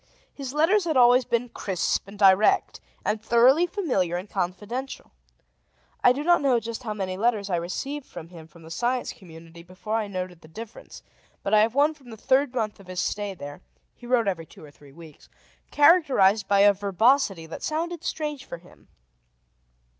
His letters had always been crisp and direct, and thoroughly familiar and confidential. I do not know just how many letters I received from him from the Science Community before I noted the difference, but I have one from the third month of his stay there (he wrote every two or three weeks), characterized by a verbosity that sounded strange for him.